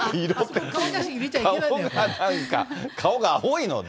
顔がなんか、顔が青いので。